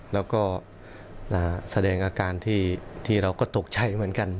แล้วก็แสดงอาการที่เราก็ตกใจเหมือนกัน